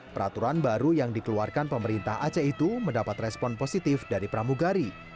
peraturan baru yang dikeluarkan pemerintah aceh itu mendapat respon positif dari pramugari